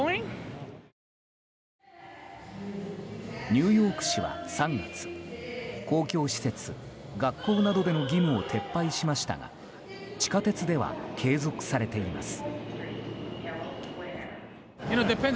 ニューヨーク市は３月公共施設、学校などでの義務を撤廃しましたが地下鉄では継続されています。